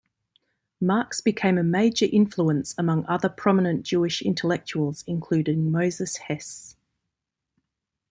Marx became a major influence among other prominent Jewish intellectuals including Moses Hess.